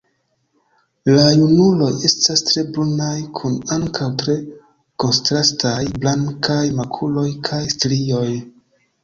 La junuloj estas tre brunaj kun ankaŭ tre kontrastaj blankaj makuloj kaj strioj.